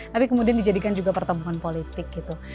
tapi kemudian dijadikan juga pertemuan politik gitu